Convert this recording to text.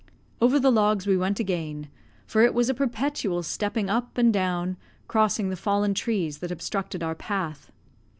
Over the logs we went again; for it was a perpetual stepping up and down, crossing the fallen trees that obstructed our path.